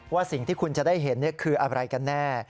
สิ่งที่คุณจะได้เห็นคืออะไรกันแน่